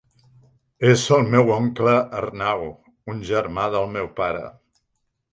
És el meu oncle Arnau, un germà del meu pare.